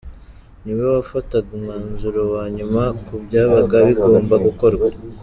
Niwe wafataga umwanzuro wa nyuma kubyabaga bigomba gukorwa.